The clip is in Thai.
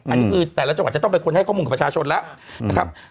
อันนี้คือแต่ละจังหวัดจะต้องเป็นคนให้ข้อมูลกับประชาชนแล้วนะครับ